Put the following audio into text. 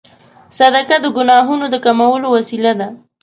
صدقه د ګناهونو د کمولو وسیله ده.